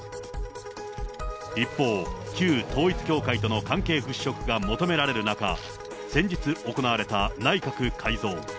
一方、旧統一教会との関係払拭が求められる中、先日行われた内閣改造。